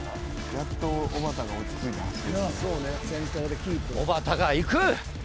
やっとおばたが落ち着いて走ってる。